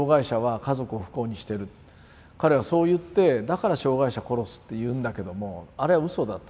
彼はそう言って「だから障害者殺す」って言うんだけどもあれはうそだと。